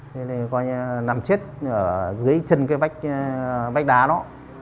thế nên gọi như là nằm chết dưới chân cái vách đá đó